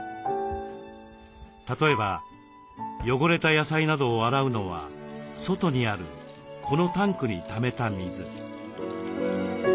例えば汚れた野菜などを洗うのは外にあるこのタンクにためた水。